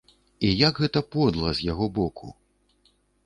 І як гэта подла з яго боку.